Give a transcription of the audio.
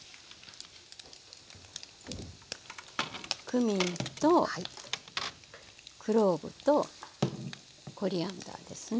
クミンとクローブとコリアンダーですね。